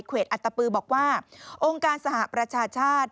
อัตตปือบอกว่าองค์การสหประชาชาติ